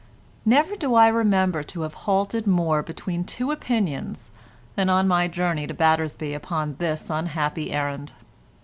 Never do I remember to have halted more between two opinions than on my journey to Battersby upon this unhappy errand.